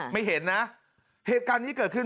ไม่เห็นนะเหตุการณ์นี้เกิดขึ้น